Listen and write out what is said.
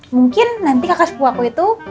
mungkin nanti kakak sepuh aku itu